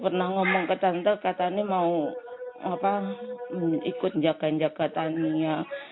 pernah ngomong ke tante kata tania mau ikut jaga jaga tania